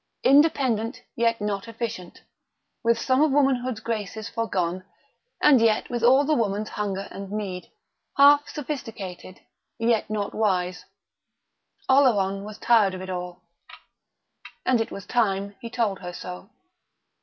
Independent, yet not efficient; with some of womanhood's graces forgone, and yet with all the woman's hunger and need; half sophisticated, yet not wise; Oleron was tired of it all.... And it was time he told her so.